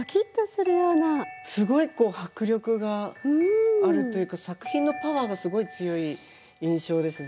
すごいこう迫力があるというか作品のパワーがすごい強い印象ですね。